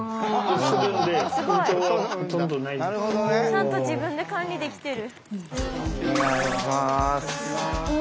ちゃんと自分で管理できてる。